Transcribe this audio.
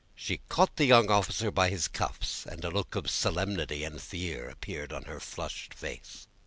She caught the young officer by his cuffs, and a look of solemnity and fear appeared on her flushed face.